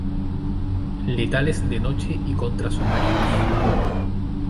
Letales de noche y contra submarinos.